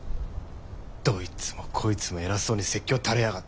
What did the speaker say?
どいつもこいつも偉そうに説教垂れやがって。